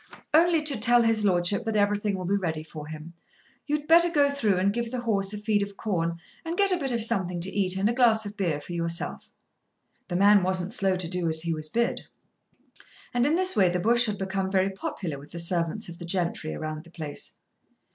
"Only to tell his lordship that everything will be ready for him. You'd better go through and give the horse a feed of corn, and get a bit of something to eat and a glass of beer yourself." The man wasn't slow to do as he was bid; and in this way the Bush had become very popular with the servants of the gentry around the place.